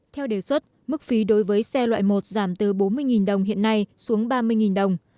theo đề xuất mức phí đối với xe loại một giảm từ bốn mươi đồng hiện nay xuống ba mươi đồng